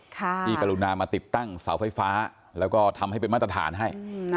กรุณามาติดตั้งเสาไฟฟ้าแล้วก็ทำให้เป็นมาตรฐานให้